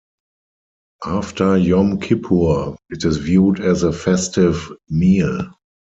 After Yom Kippur, it is viewed as a festive meal.